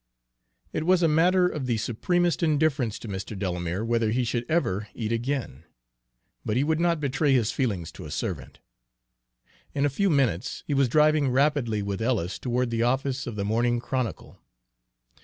It was a matter of the supremest indifference to Mr. Delamere whether he should ever eat again, but he would not betray his feelings to a servant. In a few minutes he was driving rapidly with Ellis toward the office of the Morning Chronicle.